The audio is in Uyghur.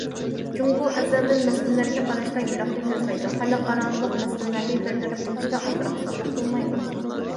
جۇڭگو ئەزەلدىن مەسىلىلەرگە قاراشتا يىراقنى كۆزلەيدۇ، خەلقئارالىق مەسىلىلەرنى بىر تەرەپ قىلىشتا ئالدىراقسانلىق قىلمايدۇ.